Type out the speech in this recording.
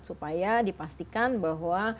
supaya dipastikan bahwa